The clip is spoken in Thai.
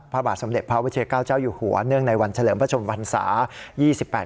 พระบาทสำเร็จพระวิเศษเก้าเจ้าอยู่หัวเนื่องในวันเฉลิมพระชมภัณฑ์ศาสตร์